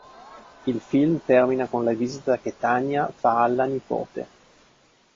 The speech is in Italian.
Il film termina con la visita che Tania fa alla nipote.